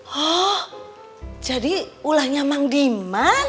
hah jadi ulahnya mang demand